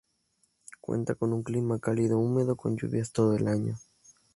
Cuenta con un clima cálido húmedo con lluvias todo el año.